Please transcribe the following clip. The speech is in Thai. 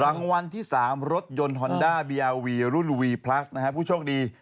รางวัลที่๓รถยนต์ฮอนด้าเบียร์วีรุ่นวีพลัสนะฮะผู้โชคดี